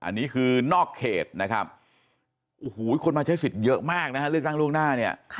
อันนี้คือนอกเขตนะครับโอ้โหคนมาใช้สิทธิ์เยอะมากนะฮะเลือกตั้งล่วงหน้าเนี่ย